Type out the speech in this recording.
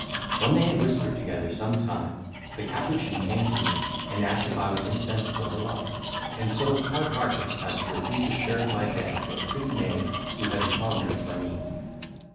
When they had whispered together some time, the capuchin came to me, and asked if I was insensible to love, and so hard hearted as to refuse a share of my bed to a pretty maid who had a tendre for me?